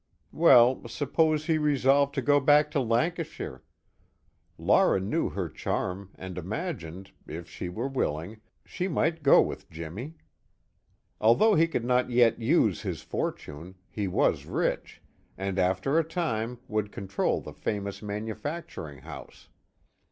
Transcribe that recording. Well, suppose he resolved to go back to Lancashire? Laura knew her charm and imagined, if she were willing, she might go with Jimmy. Although he could not yet use his fortune, he was rich, and after a time would control the famous manufacturing house.